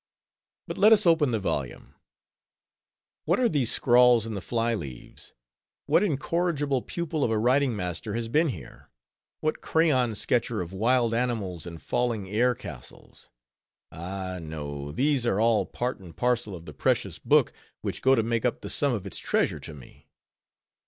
But let us open the volume. What are these scrawls in the fly leaves? what incorrigible pupil of a writing master has been here? what crayon sketcher of wild animals and falling air castles? Ah, no!—these are all part and parcel of the precious book, which go to make up the sum of its treasure to me.